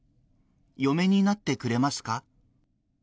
嫁になってくれますか？